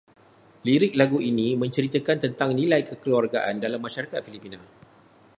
Lirik lagu ini menceritakan tentang nilai kekeluargaan dalam masyarakat Filipina